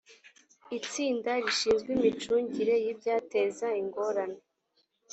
itsinda rishinzwe imicungire y ibyateza ingorane